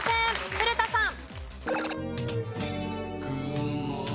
古田さん。